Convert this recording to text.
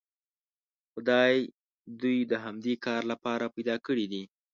خدای دوی د همدې کار لپاره پیدا کړي دي.